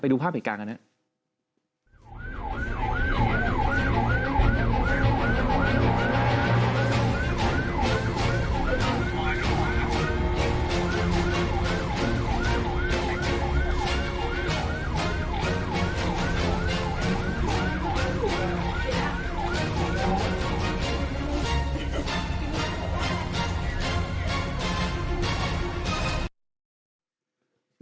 ดูภาพเหตุการณ์กันนะครับ